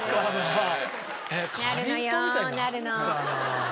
はい。